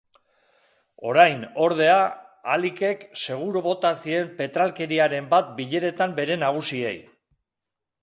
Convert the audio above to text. Orain, ordea, Alikek seguru bota zien petralkeriaren bat bileretan bere nagusiei.